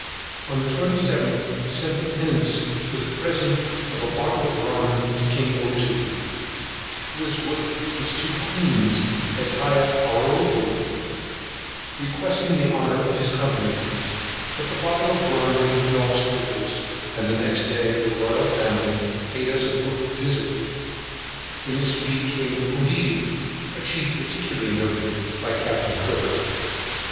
On the twenty seventh we sent the Pinnace with a present of a bottle of rum to king Ottoo, who was with his two queens at Tiaraboo, requesting the honour of his company, but the bottle of rum removed all scruples, and next day the royal family paid us a visit, and in his suit came Oedidy, a chief particularly noticed by Captain Cook.